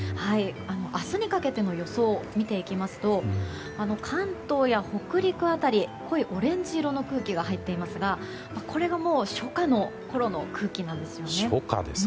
明日にかけての予想を見ていきますと関東や北陸辺り濃いオレンジ色の空気が入っていますが、これがもう初夏のころの空気なんですよね。